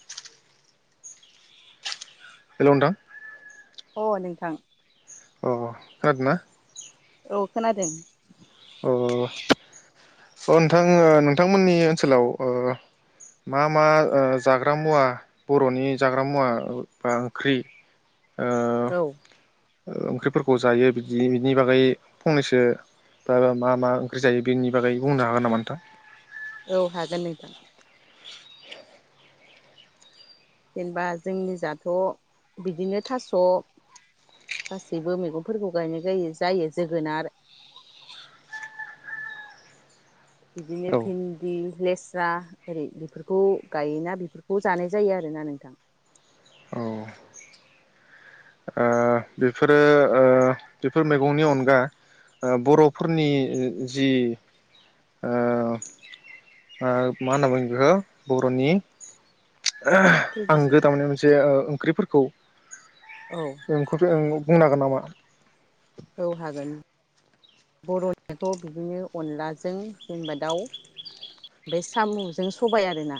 [unintelligible] Hello नोंथां। अ नोंथां। अ खोनादोंना? औ खोनादों। अ अ नोंथां नोंथांमोननि ओनसोलाव ओ मा मा ओ जाग्रा मुवा बर'नि जाग्रा मुवा बा ओंख्रि ओ औ। ओ ओंख्रिफोरखौ जायो बिदि बिनि बागै फंनैसो बा मा मा ओंख्रि जायो बेनि बागै बुंनो हागोन नामा नोंथां? औ हागोन नोंथां। जेनेबा जोंनि जाथ' बिदिनो थास' गासैबो मैगंफोरखौ गायनाय गायो जायो जोगोनार बिदिनो औ भिन्दि लेस स्रा ओरै बेफोरखौ गायोना बेफोरखौ जानाय जायो आरोना नोंथां। औ ओ ओ बेफोरो ओ बेफोर मैगंनि अनगा ओ बर'फोरनि जि ओ ओ मा होनना बुङो बेखौ बर'नि [unintelligible] आं ट्रेडिसनेल गोदाव मोननाय मोनसे ओ ओंख्रिफोरख खौ औ नों बुंनो हागोन नामा? औ हागोन बर'निखौ बिदिनो अनलाजों जेनबा दाउ ओमफ्राय सामुजों सबाय आरोना।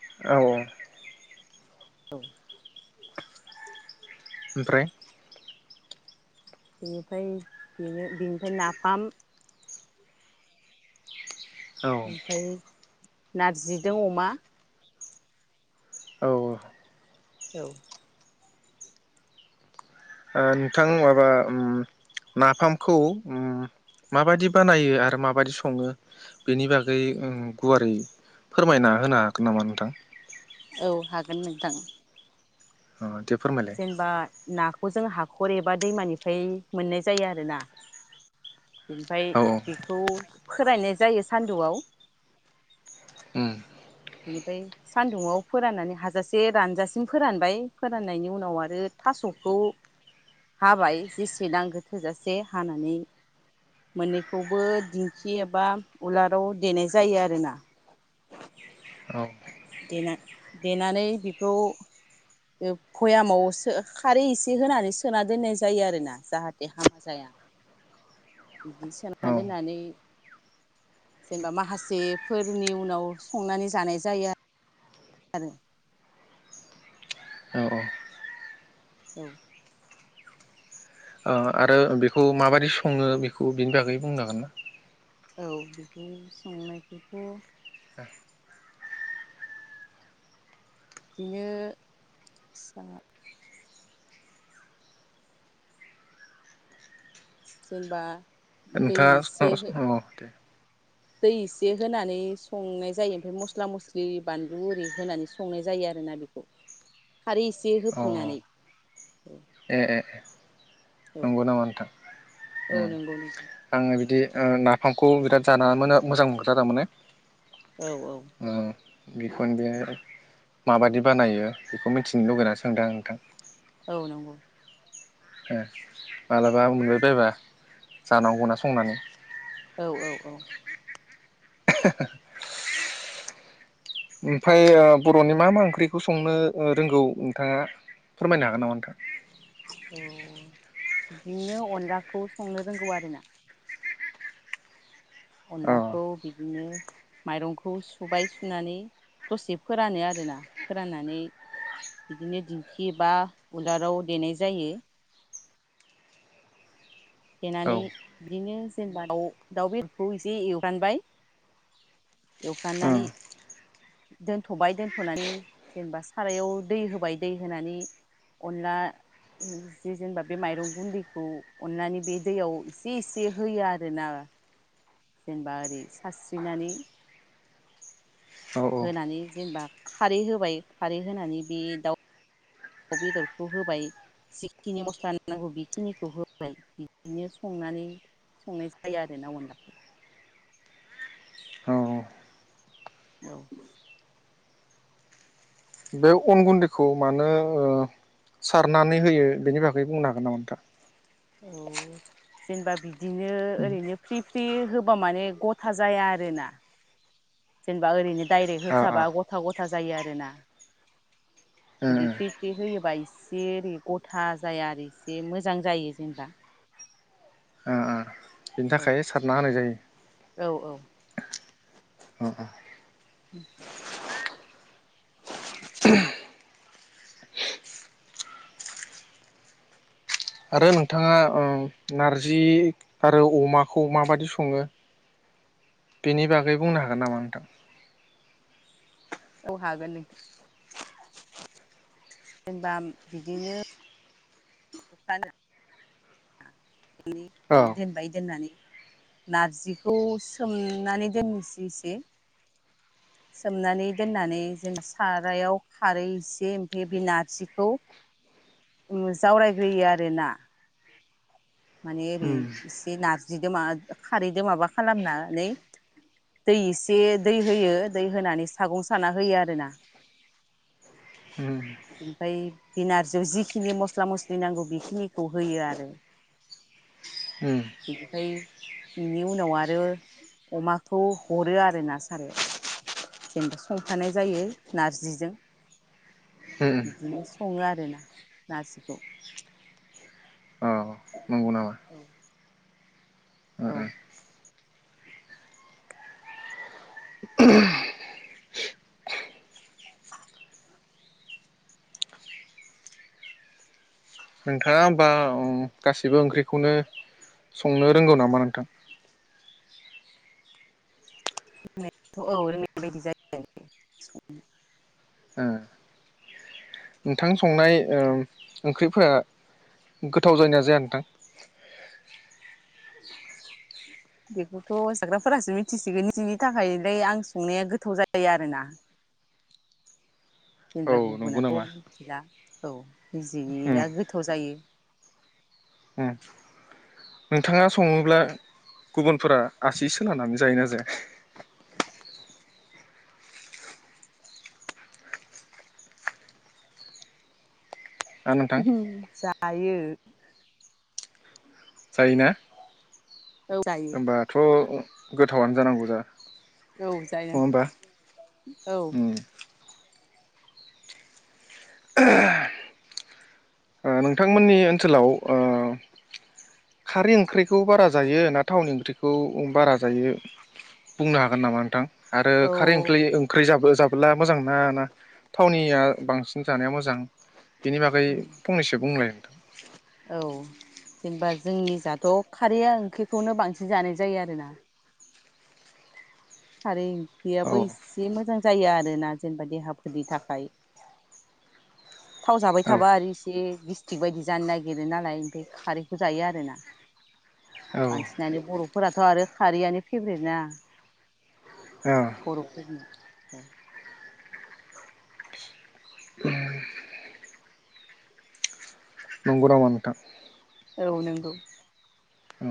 औ औ उमफ्राय बेनिफ्राय बेनो निफ्राय नाफाम औ उमफाय नारजिजो अमा ओ औ ओ नोंथां माबा उम नाफामखौ उम माबादि बानायो आरो माबादि सङो बेनि बागै उम गुवारै फोरमायना होनो हागोन नामा नोंथां? औ हागोन नोंथां। अ देब जेनेबा नाखौ जों हाखर एब बा दैमानिफ्राय मोननाय जायो आरोना बेनिफ्राय औ औ बेखौ फोरायनाय जायो सान्दुआव उम बेनिफ्राय सान्दुंआव फोराननानै हाजासे रानजासिम फोरानबाय फोराननायनि उनाव आरो थास'खौ हाबाय जेसे नांगो थोजासे हानानै मोननैखौबो दिंखि एबा उलाराव देनाय जायो आरोना औ देनानै देनानै बेखौ ओ भयामाव ओ खारै एसे होनानै सोना दोननाय जायो आरोना जाहाथे हामा जाया बिदि सोना औ दोननानै जेनेबा माखासेफोरनि उनाव संनानै जानाय जायो आर आरो औ औ ओ आरो बेखौ माबायदि सङो बेखौ बिनि बागै बुंनो हागोन ना? औ बिखौ संनायखौथ' [unintelligible] जेनबा नोंथाङा [unintelligible] दै एसे होनानै संनाय जायो ओमफ्राय मस्ला मस्लि बानलु आरै होनानै संनाय जायो आरोना बेखौ खारै एसे अ होफिननानै ए ए औ नंगौ नामा नोंथां औ उम नंगौ नंगौ। आङो बिदि ओ नाफामखौ बिराद जाना मोना मोजां थारमाने औ औ बेखौनो बे माबादि बानायो बेखौ मिथिनो लुगैना सोंदों आं नोंथां औ नंगौ मालाबा मोनबाय बायबा जानांगौना संनानै औ औ औ [inaudible] ओमफाय ओ बर'नि मा मा ओंख्रिखौ संनो ओ रोंगौ नोंथाङा फोरमायनो हागोन नामा नोंथां? औ बिदिनो अनलाखौ संनो रोंगौ आरोना अनलाखौ बिदिनो माइरंखौ सुबाय सुनानै दसे फोरानो आरोना फोराननानै बिदिनो दिंखि बा उलाराव देनाय जायो देनानै बिदिनो जेनेबा दाउ दाउ बेदरखौ एसे एवगानबाय एवफ्रामनानै दोनथ'बाय दोनथ'नानै जेनेबा सारायाव दै होबाय दै होनानै अनला जि जि जेनेबा बे माइरं गुन्दैखौ अनलानि बे दैयाव एसे एसे होयो आरो ना जेनेबा ओरै सारस्रिनानै औ होनानै जेनेबा खारै होबाय खारै होनानै बे दाउ दाव बेदरखौ होबाय जिखिनि मस्ला होनांगौ बेखिनिखौ होबाय बिदिनो संनानै संनाय जायो आरो ना अनलाखौ औ औ बे अन गुन्दैखौ मानो सारनानै होयो बेनि बागै बुंनो हागोन नामा नोंथा? औ जेनेबा बिदिनो ओरैनो फ्रि फ्रि होबा माने गथा जाया आरोना जेनेबा ओरैनो डायरेक्ट होखाबा गथा गथा जायो आरोना जुदि फ्रि फ्रि होयोबा इसे ओरै गथा जाया आरो इसे मोजां जायो जेनेबा बिनि औ थाखाय सारना होनाय जायो। औ औ अ [inaudible] आरो नोंथाङा नारजि आरो अमाखौ माबायदि सङो बेनि बागै बुंनो हागोन नामा नोंथां? औ हागोन नों जेनबा बिदिनो खानो औ [unintelligible] नारजिखौ सोमनानै दोननोसै एसे सोमनानै दोननानै जेन सारायाव खारै एसे ओमफ्राय बे नारजिखौ जावरायग्रोयो आरो ना? माने ओरै उम इसे नारजिजों माबा खारैजों माबा खालामनानै दै एसे दै होयो दै होनानै सागं साना होयो आरोना उम बेनिफ्राय बे नारजियाव जिखिनि मस्ला मस्लि नांगौ बेखिनिखौ होयो आरो उम बेनिफ्राय बेनि उनाव आरो अमाखौ हरो आरो ना सारो जेनेबा संथानाय जायो नारजिजों उम बिदिनो सङो आर ना नारजिखौ औ [inaudible] नंगौ नामा औ ओ औ नोंथाङा होमबा गासिबो ओंख्रिखौनो संनो रोंगौ नामा नोंथां? रोंनायाथ' औ रोंनाय बायदि जायो आरो स ओ नोंथां संनाय ओंख्रि फोर गोथाव जायोनाया जाया नोंथां बेखौथ' जाग्राफोरासो मिथिसिगोन बिनि थाखायलाय आं संनाया गोथाव जायो आरोोना औ जेनेबा नंगौ गुबुनाथ' नामा मिथिला औ उम बिजजिया गोथाव जायो। उम नोंथाङा सङोब्ला गुबुनफोरा आसि सोलानानै जायोना जाया? ना नोंथां जायो। जायोना? औ जायो होनबाथ' गोथावनो जानांगौ जा औ जायो नङा होमबा औ उम [inaudible] नोंथांमोननि ओनसोलाव खारै ओंख्रिखौ बारा जायो ना थावनि ओंख्रिखौ बारा जायो बुंनो हागोन नामा नोंथां? आरो औ खारै ओंख्लि ओंख्रि जाबो जा ब्ला मोजां नङा ना थावनिया बांसिन जानाया मोजां बेनि बागै फंनैसो बुंलाय नोंथां औ जेनेबा जोंनि हाथ' खारैया ओंख्रिखौनो बांसिन जानाय जायो आरो ना खारै औ बेयाबो एसे मोजां जायो आरोना जेनेबा देहाफोरनि थाखाय। थाव जाबाय औ थाबा आरो इसे गिस्टिक बायदि जानो नागिरो नालाय ओमफ्राय खारैखौ जायो आरोना। औ बांसिनानो बर'फोराथ' आरो खारैआनो फेभ्रेटना औ बर'फोरनिया औ [inaudible] नंगौ नामा नोंथां औ नंगौ। औ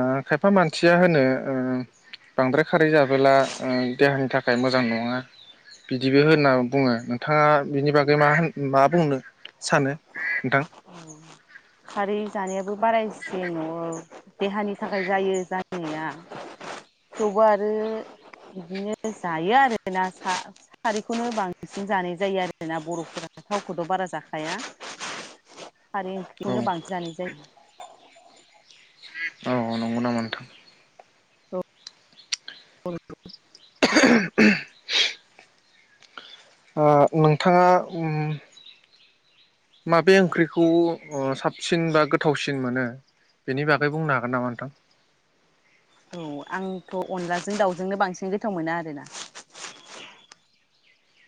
ओ खायफा मानसिया होनो ओ बांद्राय खारै जाबोला ओ देहानि थाखाय मोजां नङा बिदिबो होनना बुङो। नोंथांङा बिनि बागै मा होन मा बुंनो? सानो नोंथां खारै जानायाबो बारा इसे न' देहानि थाखाय जायो जानाया, थेवबो आरो बिदिनो जायो आरोना खा-खारैखौनो बांसिन जानाय जायो आरोना बर'फोरा थावखौथ' बारा जाखा खाया खारै औ ओंख्रिखौनो बांसिन जानाय जायो। औ नंगौ नामा नोंथां [unintelligible] ओ नोंथांङा उम्म माबे ओंख्रिखौ ओ साबसिन बा गोथावसिन मोनो बेनि बागै बुंनो हागोन नामा नोंथां? औ औ आंथ' अनलाजों दाउजोंनो बांसिन गोथाव मोनो आरोना।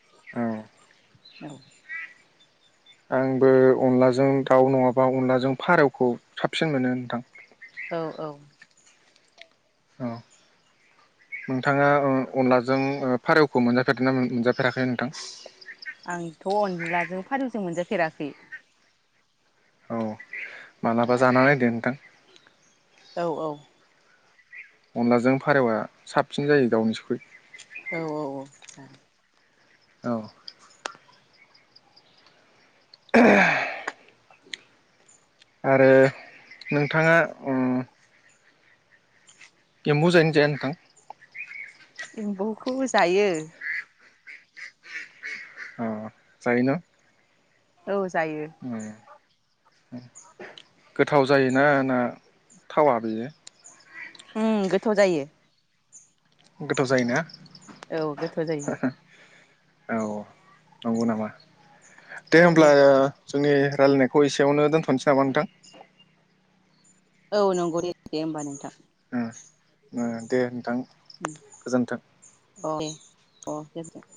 औ औ आंबो अनलाजों दाउ नङाबा अनलाजों फारौखौ साबसिन मोनो नोंथां। औ औ औ नोंथांङा ओ अनलाजों ओ फारौखौ मोनजाफेरदों ना मोनजाफेराखै नोंथां? आंथ' अनलाजों फारौजों मोनजाफेराखै। औ मालाबा जाना नायदो नोंथां। औ औ अनलाजों फारौआ साबसिन जायो दावनिसुखै। औ औ औ औ ओहो आरो नोंथांङा उम्म एम्बु जायोना जाया नोंथां? खौ जायो। अ जायो न? औ ज जायो। उम गोथाव जायोना ना थावा बेयो? उम्म गोथाव जायो। गोथाव जायोना? औ गोथाव जायो। औ नंगौ नामा? दे औ होमब्ला नों ओ जोंनि रालायनायखौ एसेयावनो दोनथ'नोसै नामा नोंथां? औ नंगौ दे दे होमबा नोंथां। ओ दे नोंथां। गोजोन्थों। उम्म अ दे। अ गोजोन